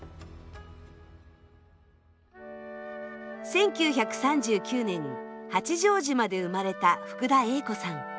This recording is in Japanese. １９３９年八丈島で生まれた福田栄子さん。